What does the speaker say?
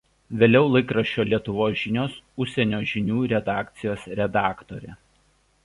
Vėliau laikraščio „Lietuvos žinios“ Užsienio žinių redakcijos redaktorė.